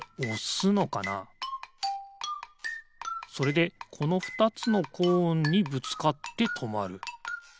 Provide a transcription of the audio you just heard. それでこの２つのコーンにぶつかってとまる。